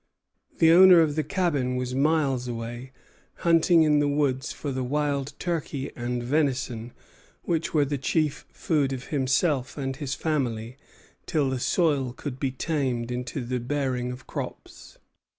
The owner of the cabin was miles away, hunting in the woods for the wild turkey and venison which were the chief food of himself and his family till the soil could be tamed into the bearing of crops.